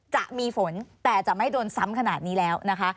จะมีฝนแต่จะไม่โดนซ้ำขนาดนี้แล้วนะคะ